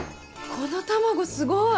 この卵すごい！